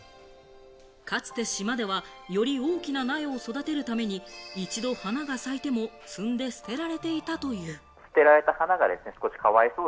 かつて島では、より大きな苗を育てるために一度花が咲いても摘んで捨てられていたという。